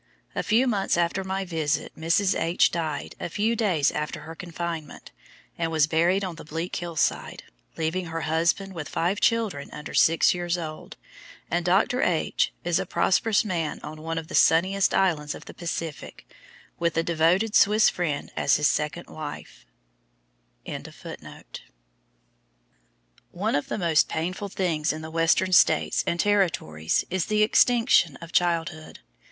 A few months after my visit Mrs. H. died a few days after her confinement, and was buried on the bleak hill side, leaving her husband with five children under six years old, and Dr. H. is a prosperous man on one of the sunniest islands of the Pacific, with the devoted Swiss friend as his second wife. One of the most painful things in the Western States and Territories is the extinction of childhood.